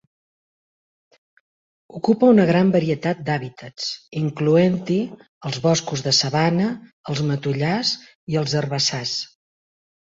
Ocupa una gran varietat d'hàbitats, incloent-hi els boscos de sabana, els matollars i els herbassars.